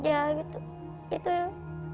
itu yang suka bikin saya sedih